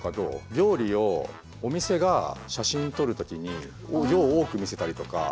料理をお店が写真撮る時に量を多く見せたりとか。